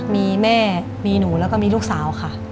มีแม่มีหนูแล้วก็มีลูกสาวค่ะ